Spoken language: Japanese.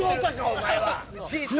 お前は。